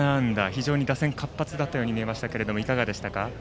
非常に打線が活発だったように見えましたがいかがでしたか？